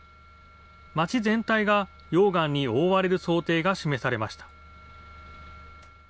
町全体が溶岩に覆われる想定が示されました。